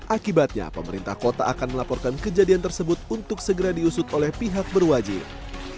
akibatnya pemerintah kota akan melaporkan kejadian tersebut untuk segera diusut oleh pihak berwajib